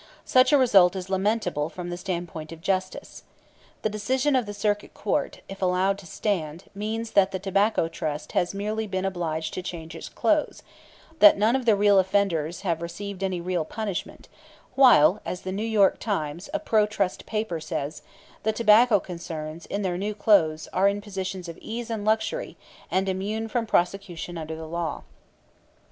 Such a result is lamentable from the standpoint of justice. The decision of the Circuit Court, if allowed to stand, means that the Tobacco Trust has merely been obliged to change its clothes, that none of the real offenders have received any real punishment, while, as the New York Times, a pro trust paper, says, the tobacco concerns, in their new clothes, are in positions of "ease and luxury," and "immune from prosecution under the law."